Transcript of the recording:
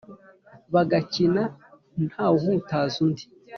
bagakina ntawuhutaza undi